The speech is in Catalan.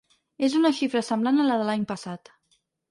És una xifra semblant a la de l’any passat.